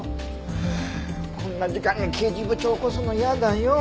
はあこんな時間に刑事部長を起こすの嫌だよ。